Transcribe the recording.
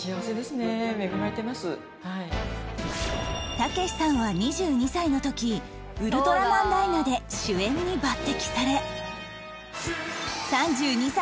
剛士さんは２２歳の時『ウルトラマンダイナ』で主演に抜擢され